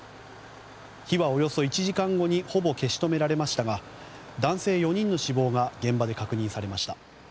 火はおよそ１時間後にほぼ消し止められましたが男性４人の死亡が現場で確認されました。